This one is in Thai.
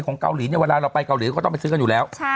นี่คุณดู